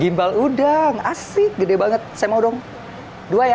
gimbal udang asik gede banget saya mau dong dua ya